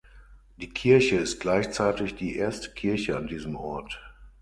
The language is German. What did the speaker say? Die Kirche ist gleichzeitig die erste Kirche an diesem Ort.